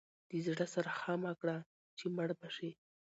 د زاړه سره ښه مه کړه چې مړ به شي.